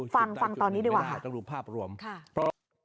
ฟังฟังตอนนี้ดีกว่าค่ะ